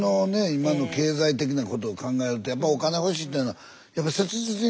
今の経済的なことを考えるとやっぱお金欲しいっていうのはやっぱ切実に出る。